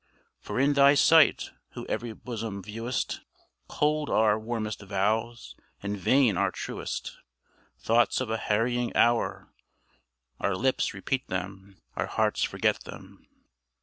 For in Thy sight who every bosom viewest, Cold are our warmest vows, and vain our truest; Thoughts of a harrying hour, our lips repeat them, Our hearts forget them.